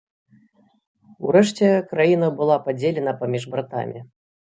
Урэшце, краіна была падзелена паміж братамі.